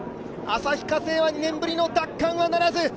旭化成は２年ぶりの奪還はならず。